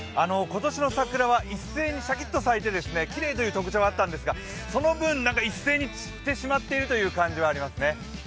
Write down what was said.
今年の桜は一斉にしゃきっと咲いてきれいな特徴があったんですが、その分、一斉に散ってしまっているという感じはしますね。